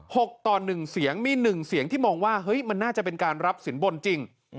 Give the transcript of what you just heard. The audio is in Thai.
ต่อหนึ่งเสียงมีหนึ่งเสียงที่มองว่าเฮ้ยมันน่าจะเป็นการรับสินบนจริง